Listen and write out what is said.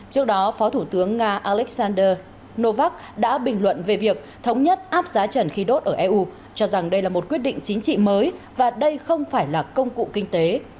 trước đó phó thủ tướng nga alexander novak đã bình luận về việc thống nhất áp giá trần khi đốt ở eu cho rằng đây là một quyết định chính trị mới và đây không phải là công cụ kinh tế